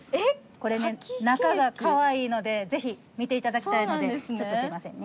これね中がかわいいのでぜひ見ていただきたいのでちょっとすいませんね。